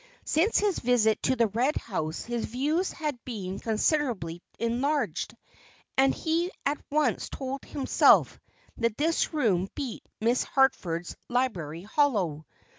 Since his visit to the Red House his views had been considerably enlarged, and he at once told himself that this room beat Miss Harford's library hollow.